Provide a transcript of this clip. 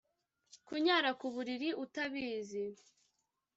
kunyara kuburiri utabizi